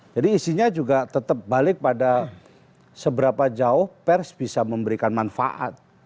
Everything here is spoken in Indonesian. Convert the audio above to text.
jadi isinya juga tetap balik pada seberapa jauh pers bisa memberikan manfaat